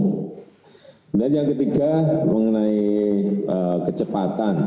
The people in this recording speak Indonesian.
kemudian yang ketiga mengenai kecepatan